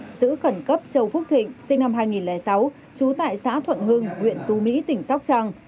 giữ khẩn cấp châu phúc thịnh sinh năm hai nghìn sáu chú tại xã thuận hưng huyện tú mỹ tỉnh sóc trang